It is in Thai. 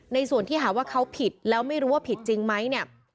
ในส่วนที่หาว่าเขาผิดแล้วไม่รู้ว่าผิดจริงไหมเนี่ย